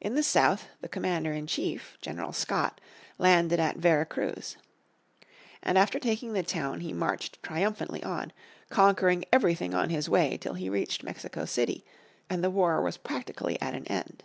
In the south the Commander in Chief, General Scott, landed at Vera Cruz. And after taking the town he marched triumphantly on, conquering everything on his way till he reached Mexico City, and the war was practically at an end.